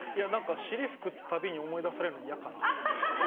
尻拭くたびに思い出されるの嫌かな。